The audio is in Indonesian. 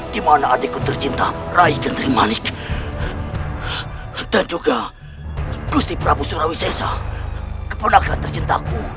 di mana adikku tercinta rai kentring manik dan juga gusti prabu surawi sesa keponakan tercintaku